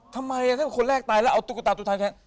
ทำไมถ้าคนแรกตายแล้วเอาตุ๊กตาตุ๊กตายแทน